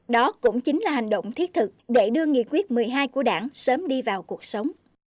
đó cũng chính là hành động thiết thực để đưa nghị quyết một mươi hai của đảng sớm đi vào cuộc sống